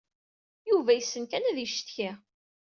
Yuba yessen kan ad yeccetki.